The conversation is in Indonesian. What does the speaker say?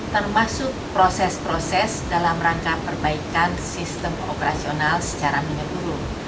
termasuk proses proses dalam rangka perbaikan sistem operasional secara menyeluruh